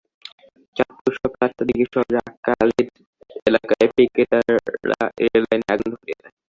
চাঁদপুরসকাল আটটার দিকে শহরের আক্কাছ আলী এলাকায় পিকেটাররা রেললাইনে আগুন ধরিয়ে দেয়।